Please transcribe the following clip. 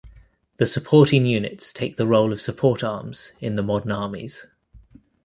The supporting units take the role of support arms in the modern armies.